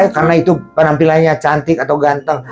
karena itu penampilannya cantik atau ganteng